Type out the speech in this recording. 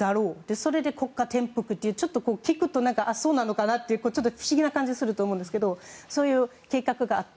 それで国家転覆という聞くとそうなのかなと不思議な感じがすると思うんですけどそういう計画があった。